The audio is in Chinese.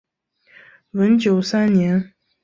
文久三年。